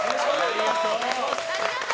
ありがとう！